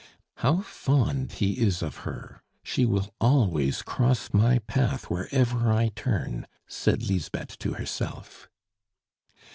"How fond he is of her! She will always cross my path wherever I turn!" said Lisbeth to herself.